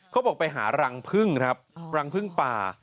บอกไปหารังพึ่งครับรังพึ่งป่า